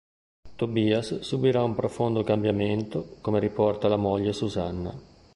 Tobias subirà un profondo cambiamento, come riporta la moglie Susanna.